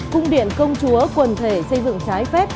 cung điện công chúa quần thể xây dựng trái phép